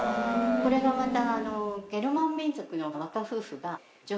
これがまた。